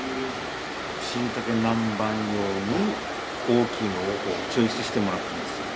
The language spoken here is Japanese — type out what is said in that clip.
しいたけ南蛮用に大きいのをチョイスしてもらってるんですよ。